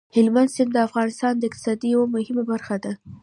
هلمند سیند د افغانستان د اقتصاد یوه مهمه برخه ده.